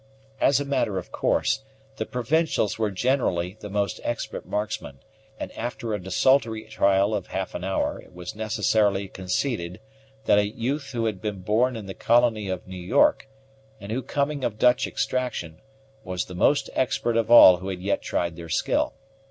As a matter of course, the provincials were generally the most expert marksmen; and after a desultory trial of half an hour it was necessarily conceded that a youth who had been born in the colony of New York, and who coming of Dutch extraction, was the most expert of all who had yet tried their skill.